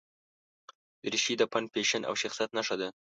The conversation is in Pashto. دریشي د فن، فیشن او شخصیت نښه ده.